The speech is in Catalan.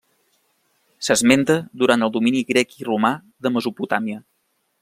S'esmenta durant el domini grec i romà de Mesopotàmia.